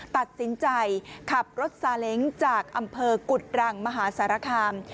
ตัดสินใจขับรถซาเล้งจากอำเภอกุฎรังมหาสารคาม